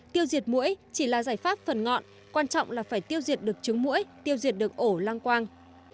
tiêu diệt mũi chỉ là giải pháp phần ngọn quan trọng là phải tiêu diệt được trứng mũi tiêu diệt được ổ lang quang